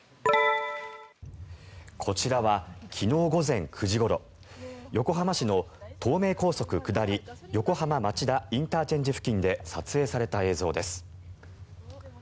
こちらは昨日午前９時ごろ横浜市の東名高速下り横浜町田ＩＣ付近で撮影された映像です。